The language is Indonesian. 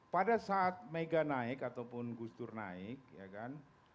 pada saat mega naik ataupun gus dur naik ya kan